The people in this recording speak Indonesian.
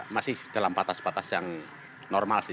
masih dalam batas batas yang normal sih